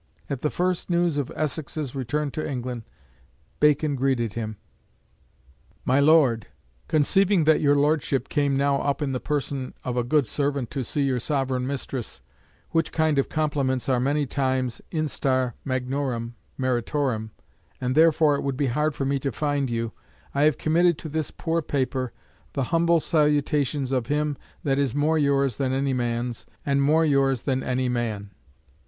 At the first news of Essex's return to England, Bacon greeted him "MY LORD, Conceiving that your Lordship came now up in the person of a good servant to see your sovereign mistress, which kind of compliments are many times instar magnorum meritorum, and therefore it would be hard for me to find you, I have committed to this poor paper the humble salutations of him that is more yours than any man's, and more yours than any man.